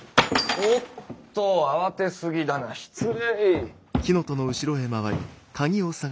おおっと慌てすぎだな失礼。